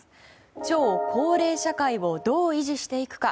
超高齢社会をどう維持していくか。